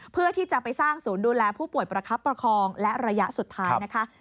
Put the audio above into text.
เพื่อที่จะไปสร้างศูนย์ดูแลผู้ป่วยประคับประคองและระยะสุดท้ายนะคะ